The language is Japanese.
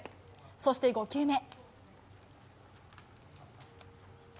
そして５球目。